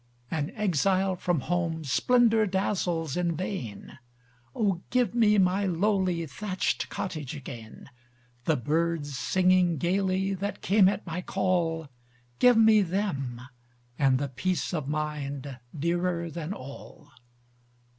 An exile from home, splendor dazzles in vain; O, give me my lowly thatched cottage again! The birds singing gayly, that came at my call, Give me them, and the peace of mind, dearer than all!